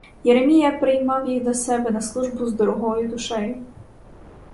Єремія приймав їх до себе на службу з дорогою душею.